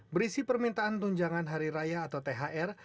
berisi permintaan tunjangan hari raya atau thr